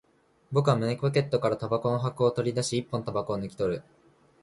僕は胸ポケットから煙草の箱を取り出し、一本煙草を抜き取る